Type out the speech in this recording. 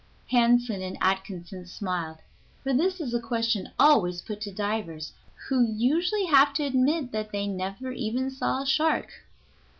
Hansen and Atkinson smiled, for this is a question always put to divers, who usually have to admit that they never even saw a shark.